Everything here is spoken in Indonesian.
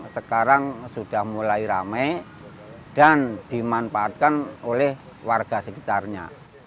sekarang sudah mulai ramai dan dimanfaatkan oleh warga sekitarnya